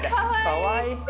かわいい。